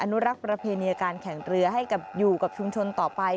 นุรักษ์ประเพณีการแข่งเรือให้กับชุมชนต่อไป